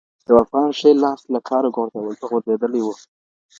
یو افغان ښي لاس له کاره غورځېدلی و.